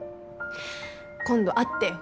今度会ってよ。